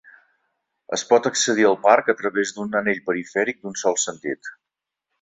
Es pot accedir al parc a través d'un anell perifèric d'un sol sentit.